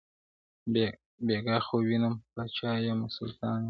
بیګا خوب وینم پاچا یمه سلطان یم.